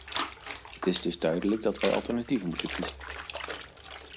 Het is dus duidelijk dat wij alternatieven moeten kiezen.